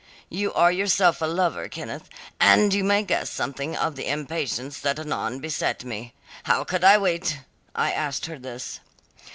You are yourself a lover, Kenneth, and you may guess something of the impatience that anon beset me. How could I wait? I asked her this.